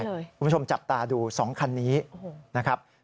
คุณผู้ชมจับตาดู๒คันนี้นะครับ